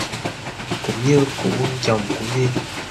Cũng như của quân chồng của Nhi